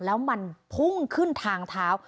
แล้วมันพุ่งขึ้นทางเท้า